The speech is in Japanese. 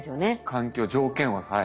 環境条件ははい。